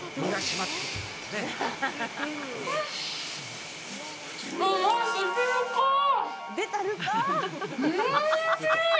おいしい！